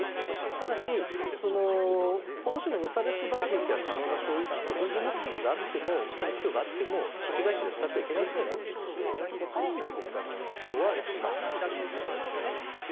ただし、この種の無差別爆撃が可能な焼い弾は軍事目的があっても目標があっても市街地では使っていけないことになっているのでその意味では国際法上違反しているということです。